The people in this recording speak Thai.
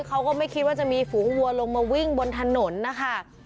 เขาก็ไม่คิดว่าจะมีฝูงวัวลงมาวิ่งบนถนนนะคะ